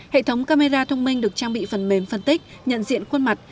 hệ thống camera thông minh được trang bị phần mềm phân tích nhận diện khuôn mặt